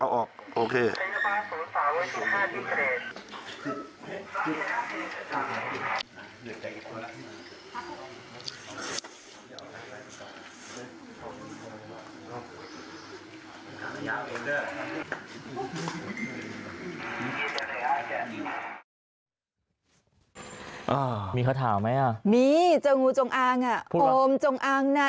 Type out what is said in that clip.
อ้าวมีข้อถามไหมอ่ะมีเจ้างูจงอ้างอ่ะพูดว่าอมจงอ้างน่ะ